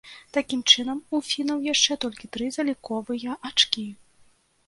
Такім чынам, у фінаў яшчэ толькі тры заліковыя ачкі.